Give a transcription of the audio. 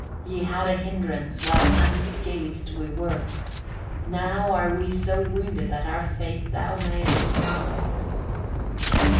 Ye had a hindrance while unscathed we were: now are we so wounded that our fate thou mayest command.